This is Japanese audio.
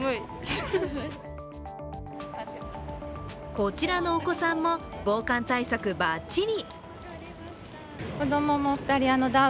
こちらのお子さんも防寒対策ばっちり。